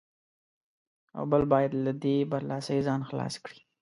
او بل باید له دې برلاسۍ ځان خلاص کړي.